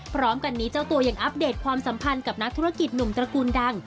พร้อมกันนี้เจ้าตัวยังอัปเดตความสัมพันธ์กับนักธุรกิจหนุ่มตระกูลดัง